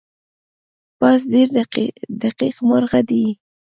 باز ډېر دقیق مرغه دی